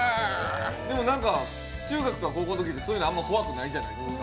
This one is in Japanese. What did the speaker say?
で、なんか中学か高校のときってそういうのあんまり怖くないじゃないですか。